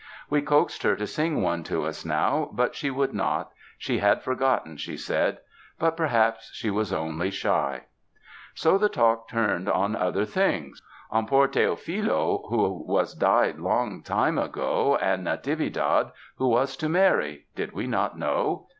We coaxed her to sing one to us now, but she would not — she had forgotten, she said; but perhaps she was only shy. So the talk turned on other things — on poor Teofilo who was died long time ago and Natividad, who was marry — did we not know?